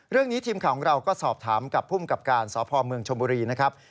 เรื่องนี้ทีมของเราก็สอบถามกับผู้กับการสภมชมนะครับ